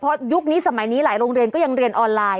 เพราะยุคนี้สมัยนี้หลายโรงเรียนก็ยังเรียนออนไลน์